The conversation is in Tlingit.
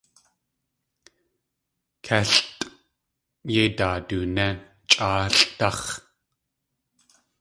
Kélʼtʼ yéi daaduné chʼáalʼdáx̲.